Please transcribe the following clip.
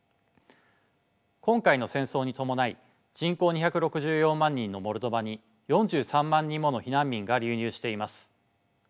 今回の戦争に伴い人口２６４万人のモルドバに４３万人もの避難民が流入しています。